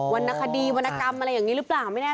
อ๋อวรรณคดีวรรณกรรมอะไรอย่างนี้รือปเหลือปลา